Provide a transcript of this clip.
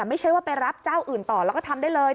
ไม่ใช่ว่าไปรับเจ้าอื่นต่อแล้วก็ทำได้เลย